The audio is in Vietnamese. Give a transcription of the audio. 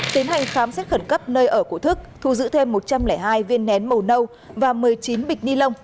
tiến hành khám xét khẩn cấp nơi ở của thức thu giữ thêm một trăm linh hai viên nén màu nâu và một mươi chín bịch ni lông